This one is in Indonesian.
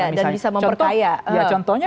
dan bisa memperkaya contohnya